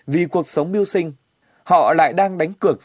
vì cuộc sống miêu sinh họ lại đang đánh cửa cho các hộ dân